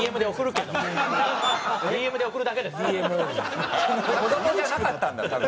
子どもじゃなかったんだ多分。